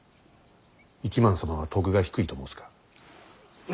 一幡様は徳が低いと申すか。